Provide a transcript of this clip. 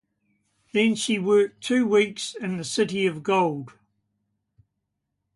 Then she worked two weeks in the City of Gold.